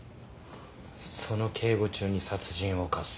その警護中に殺人を犯す。